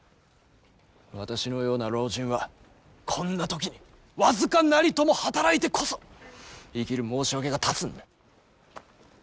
私のような老人はこんな時に僅かなりとも働いてこそ生きる申し訳が立つんだ。